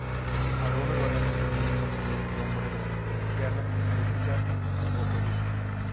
Algunos variantes femeninos de este nombre es: Feliciana, Felisa o Felicia.